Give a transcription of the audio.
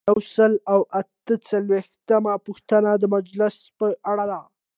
یو سل او اته څلویښتمه پوښتنه د مجلس په اړه ده.